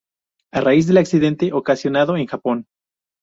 A raíz del accidente ocasionado en Japón.